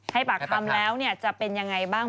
ให้ปากคำแล้วจะเป็นยังไงบ้าง